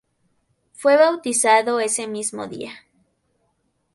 Fue bautizado ese mismo día.